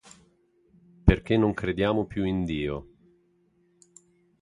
Perché non crediamo più in Dio.